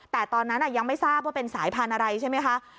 แต่ตอนนั้นยังไม่ทราบว่าเป็นสายพันธุ์อะไรใช่ไหมคะ